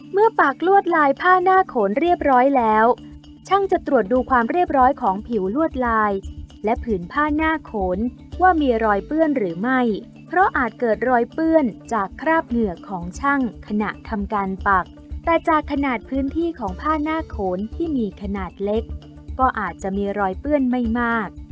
ปากลวดลายผ้าหน้าโขนเรียบร้อยแล้วช่างจะตรวจดูความเรียบร้อยของผิวลวดลายและผืนผ้าหน้าโขนว่ามีรอยเปื้อนหรือไม่เพราะอาจเกิดรอยเปื้อนจากคราบเหงื่อของช่างขณะทำการปักแต่จากขนาดพื้นที่ของผ้าหน้าโขนที่มีขนาดเล็กก็อาจจะมีรอยเปื้อนไม่มาก